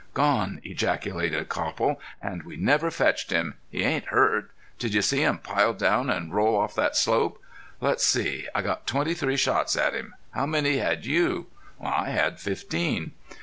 "Gone!" ejaculated Copple. "An' we never fetched him!... He ain't hurt. Did you see him pile down an' roll off that slope?... Let's see. I got twenty three shots at him. How many had you?" "I had fifteen."